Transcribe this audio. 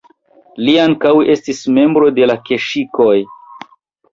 Li ankaŭ estis membro de la keŝikoj.